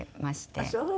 あっそう。